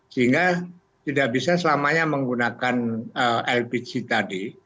sehingga tidak bisa selamanya menggunakan lpg tadi